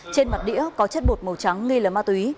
trên mặt đĩa có chất bột màu trắng nghi là ma túy